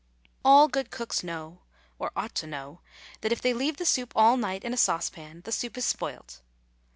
All good cooks know, or ought to know, that if they leave the soup all night in a saucepan the soup is spoilt.